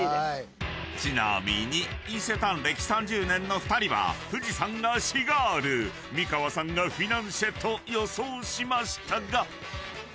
［ちなみに伊勢丹歴３０年の２人は藤さんがシガール美川さんがフィナンシェと予想しましたが］